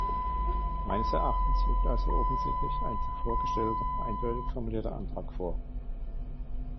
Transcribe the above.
Meines Erachtens liegt also offensichtlich ein zuvor gestellter, eindeutig formulierter Antrag vor.